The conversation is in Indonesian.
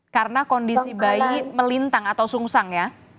karena kondisi bayi melintang atau sungsang ya